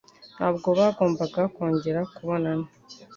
Ntabwo bagombaga kongera kubonana.